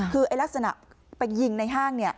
คือลักษณะไปยิงในห้าง